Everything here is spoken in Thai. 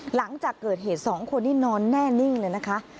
หลังจากเกิดเหตุสองคนนี่นอนแน่นิ่งเลยนะคะ